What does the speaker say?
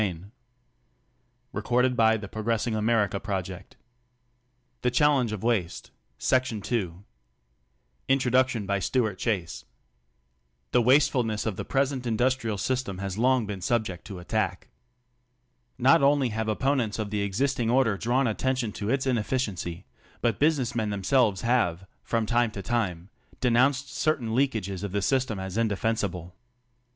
HARRY W. LAIDLER, Director of Research, L. I. D. HC ■ 1063 THE CHALLENGE OF WASTE By Stuart Chase _s ^ The wastefulness of the present industrial system has long ^ been subject to attack. Not only have opponents of the ' existing order drawn attention to its inefficiency, but business y^ men themselves have from time , to time denounced certain f leakages of the system as indefensible.